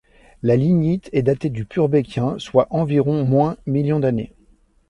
Le lignite est daté du Purbeckien, soit environs - millions d'années.